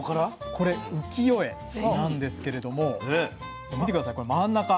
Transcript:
これ浮世絵なんですけれども見て下さいこの真ん中。